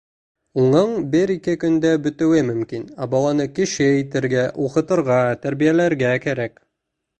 Уның бер-ике көндә бөтөүе мөмкин, ә баланы кеше итергә, уҡытырға, тәрбиәләргә кәрәк.